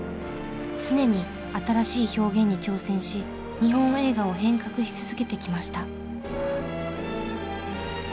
常に新しい表現に挑戦し日本映画を変革し続けてきました。